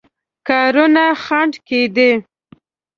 کارونو خنډ کېدی.